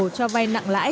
cho vay nặng lãi